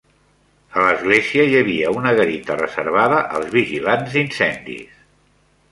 A l'església hi havia una garita reservada als vigilants d'incendis.